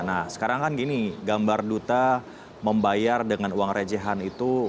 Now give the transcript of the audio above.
nah sekarang kan gini gambar duta membayar dengan uang rejehan itu